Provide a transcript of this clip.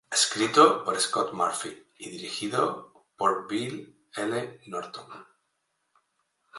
Escrito por Scott Murphy y dirigido por Bill L. Norton.